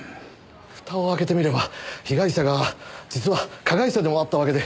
ふたを開けてみれば被害者が実は加害者でもあったわけで。